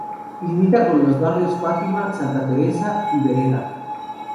Limita con los barrios Fátima, Santa Teresa y Vereda.